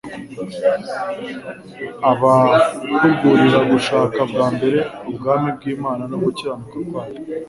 Abahugurira gushaka bwa mbere ubwani bw'Imana no gukiranuka kwayo,